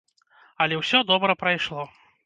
Але ўсё добра прайшло.